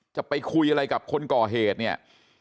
จะไปคุยอะไรกับคนก่อเหตุเนี่ย